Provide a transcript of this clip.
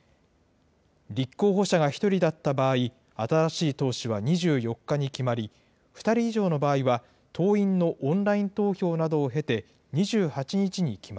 立候補者が１人だった場合、新しい党首は２４日に決まり、２人以上の場合は党員のオンライン投票などを経て、２８日に決